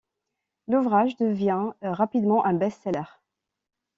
L'ouvrage devient rapidement un best-seller.